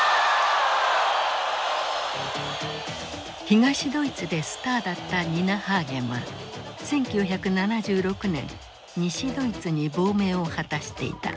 東ドイツでスターだったニナ・ハーゲンは１９７６年西ドイツに亡命を果たしていた。